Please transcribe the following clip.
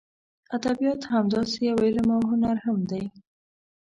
ادبیات همداسې یو علم او هنر هم دی.